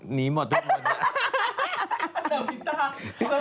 หนีหมดด้วยหมด